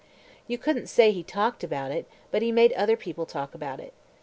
You couldn't say he talked about it, but he made other people talk about it.